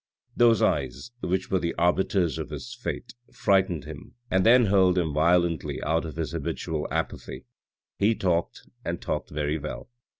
Those eyes, which were the arbiters of his fate, frightened him, and then hurled him violently out of his habitual apathy. He talked, and talked very well.